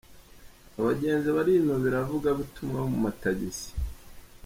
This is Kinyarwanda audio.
Abagenzi barinubira abavuga-butumwa bo mu matagisi